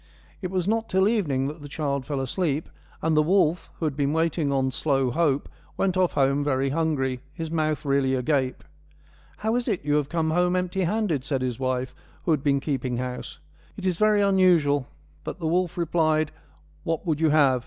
It was not till evening that the child fell asleep, and the wolf, who had been waiting on slow hope, went off home very hungry, his mouth really agape. ' How is it you have come home empty handed ?' said his wife, who had been keeping house. ' It's very unusual.' But the wolf replied :' What would you have